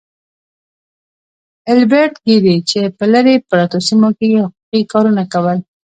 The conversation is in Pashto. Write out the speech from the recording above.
ايلبرټ ګيري چې په لرې پرتو سيمو کې يې حقوقي کارونه کول.